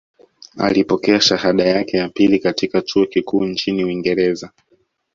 Alipokea shahada yake ya pili katika chuo kikuu nchini Uingereza